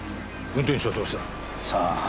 運転手はどうした？さあ。